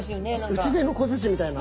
打ち出の小づちみたいな。